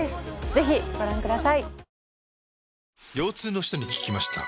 ぜひご覧ください。